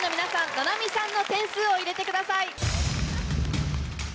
ｎａｎａｍｉさんの点数を入れてください。